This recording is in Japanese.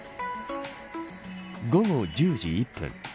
午後１０時１分。